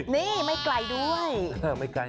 นี่ไม่ไกลด้วย